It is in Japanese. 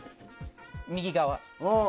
右側！